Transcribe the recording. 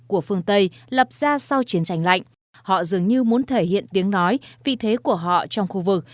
của phương tây lập ra sau chiến tranh lạnh họ dường như muốn thể hiện tiếng nói vị thế của họ trong khu vực